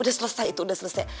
udah selesai itu udah selesai